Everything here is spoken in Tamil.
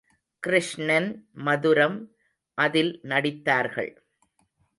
கிருஷ்ணன் மதுரம் அதில் நடித்தார்கள்.